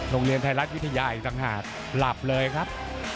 โรงเรียนไทยรัฐวิทยาอีกต่างหากหลับเลยครับ